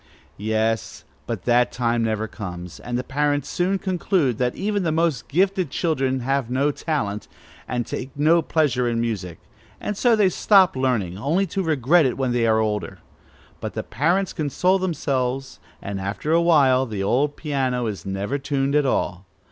Yes; but that time never comes, and the parents soon conclude that even the most gifted children have no talent, and take no pleasure in music; and so they stop learning, only to regret it when they are older. But the parents console themselves, and after a while the old piano is never tuned at all.